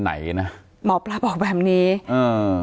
การแก้เคล็ดบางอย่างแค่นั้นเอง